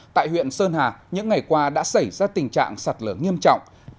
tại huyện sơn hà những ngày qua đã xảy ra tình trạng sạt lở nghiêm trọng